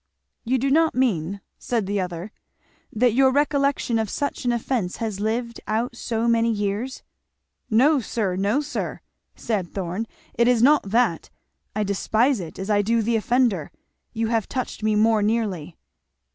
"You do not mean," said the other, "that your recollection of such an offence has lived out so many years?" "No sir! no sir!" said Thorn, "it is not that. I despise it, as I do the offender. You have touched me more nearly."